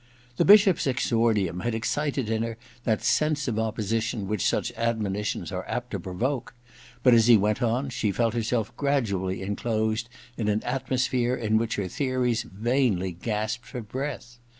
The Bishop's exordium had excited in her that sense of opposition which such admonitions are apt to provoke ; but as he went on she felt herself gradually enclosed in an atmosphere in which her theories vainly gasped for breath.